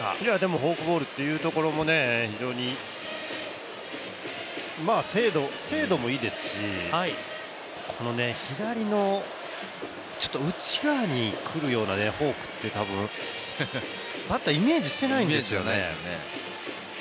フォークボールというところも非常に精度もいいですし、この左のちょっと内側に来るようなフォークって、多分バッターはイメージしていないですよね。